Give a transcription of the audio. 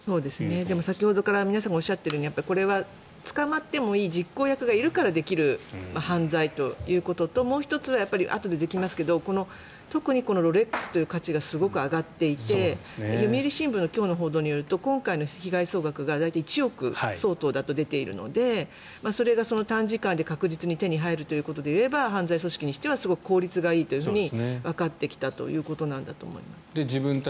先ほどから皆さんがおっしゃっているようにこれは捕まってもいい実行役がいるからできる犯罪ということともう１つはあとで出てきますが特にロレックスの価値がすごく上がっていて読売新聞の今日の報道によると今回の被害総額が大体、１億相当だと出ているのでそれが短時間で確実に手に入るということで言えば犯罪組織にしてはすごく効率がいいとわかってきたということなんだと思います。